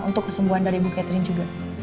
untuk kesembuhan dari ibu catherine juga